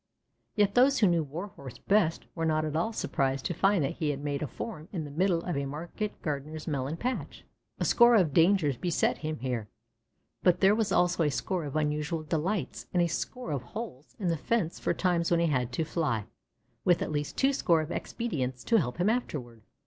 Yet those who knew Warhorse best were not at all surprised to find that he had made a form in the middle of a market gardener's melon patch. A score of dangers beset him here, but there was also a score of unusual delights and a score of holes in the fence for times when he had to fly, with at least twoscore of expedients to help him afterward.